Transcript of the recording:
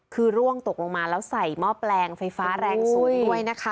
คือร่วงตกลงมาแล้วใส่หม้อแปลงไฟฟ้าแรงสูงด้วยนะคะ